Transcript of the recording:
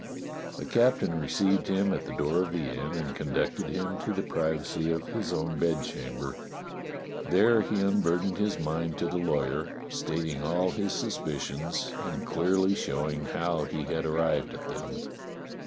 The captain received him at the door of the inn and conducted him to the privacy of his own bedchamber. There he unburdened his mind to the lawyer, stating all his suspicions and clearly showing how he had ar rived at them.